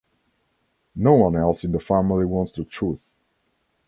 No one else in the family wants the truth.